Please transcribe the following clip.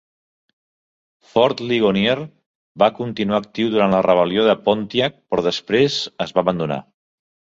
Fort Ligonier va continuar actiu durant la rebel·lió de Pontiac, però després es va abandonar.